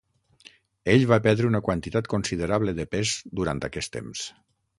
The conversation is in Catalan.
Ell va perdre una quantitat considerable de pes durant aquest temps.